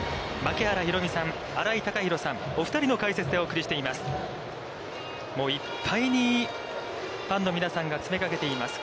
槙原寛己さん、新井貴浩さん、お二人の解説でお送りしています。